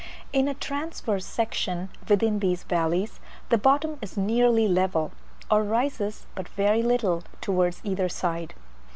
In a transverse section within these valleys, the bottom is nearly level, or rises but very little towards either side.